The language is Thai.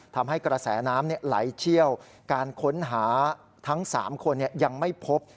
ทำให้กระแสน้ำไหลเชี่ยวการค้นหาทั้ง๓คนยังไม่พบ